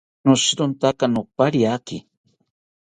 Noshirontaka nopariaki